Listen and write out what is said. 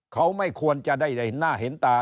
เขาไม่ควรจะได้หน้าเห็นตา